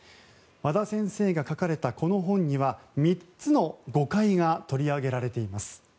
和田先生が書かれたこの本には３つの誤解が取り上げられています。